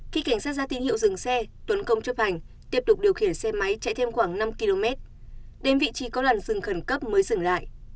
khi cảnh sát ra tín hiệu dừng xe tuấn công chấp hành tiếp tục điều khiển xe máy chạy thêm khoảng năm km đến vị trí có làn rừng khẩn cấp mới dừng lại